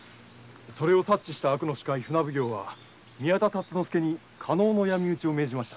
それを察知した船奉行は宮田達之助に加納の闇討ちを命じました。